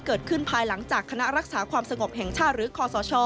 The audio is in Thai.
ภายหลังจากคณะรักษาความสงบแห่งชาติหรือคอสช